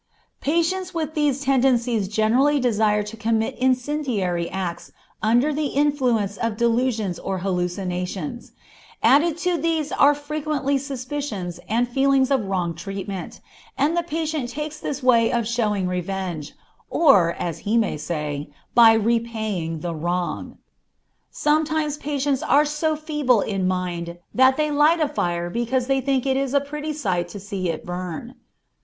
_ Patients with these tendencies generally desire to commit incendiary acts under the influence of delusions or hallucinations; added to these there are frequently suspicions and feelings of wrong treatment, and the patient takes this way of showing revenge, or, as he may say, of repaying the wrong. Sometimes patients are so feeble in mind that they light a fire because they think it is a pretty sight to see it burn.